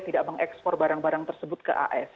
tidak mengekspor barang barang tersebut ke as